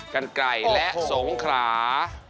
กันไก่และสงขรา